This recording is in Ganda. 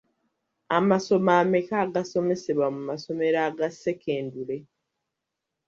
Amasomo ameka agasomesebwa mu masomero aga sekendule?